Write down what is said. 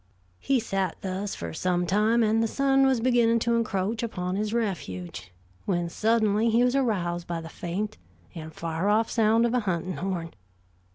He sat thus for some time, and the sun was beginning to encroach upon his refuge, when suddenly he was aroused by the faint and far off sound of a hunting horn.